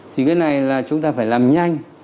thì cái này là chúng ta phải làm nhanh